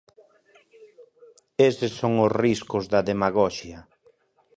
Eses son os riscos da demagoxia.